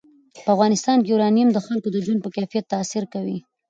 په افغانستان کې یورانیم د خلکو د ژوند په کیفیت تاثیر کوي.